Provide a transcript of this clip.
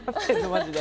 マジで。